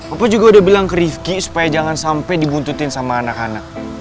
aku juga udah bilang ke rifki supaya jangan sampai dibuntutin sama anak anak